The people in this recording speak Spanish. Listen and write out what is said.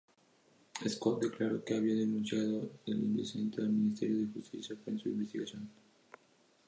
Scott declaró que había denunciado el incidente al Ministerio de Justicia para su investigación.